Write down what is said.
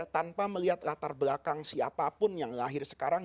tanpa melihat latar belakang siapapun yang lahir sekarang